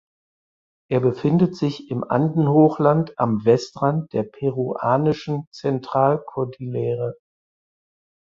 Er befindet sich im Andenhochland am Westrand der peruanischen Zentralkordillere.